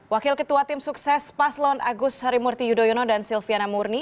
wakil ketua tim sukses paslon agus harimurti yudhoyono dan silviana murni